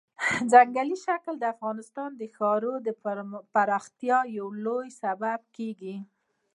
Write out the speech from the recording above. ځمکنی شکل د افغانستان د ښاري پراختیا یو لوی سبب کېږي.